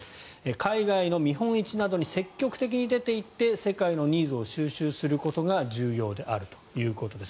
海外の見本市などに積極的に出ていって世界のニーズを収集することが重要であるということです。